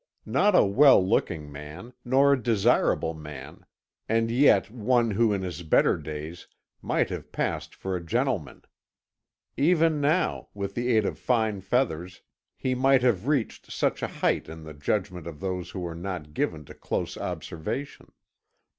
Not a well looking man, nor a desirable man, and yet one who in his better days might have passed for a gentleman. Even now, with the aid of fine feathers, he might have reached such a height in the judgment of those who were not given to close observation.